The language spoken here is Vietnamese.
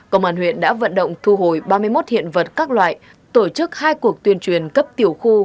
công an huyện đã vận động thu hồi ba mươi một hiện vật các loại tổ chức hai cuộc tuyên truyền cấp tiểu khu